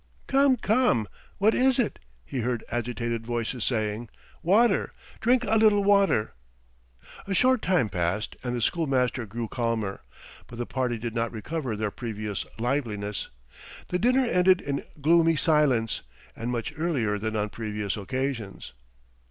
"Come, come! ... What is it?" he heard agitated voices saying. "Water! drink a little water!" A short time passed and the schoolmaster grew calmer, but the party did not recover their previous liveliness. The dinner ended in gloomy silence, and much earlier than on previous occasions.